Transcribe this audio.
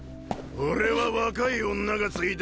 俺は若い女がついだ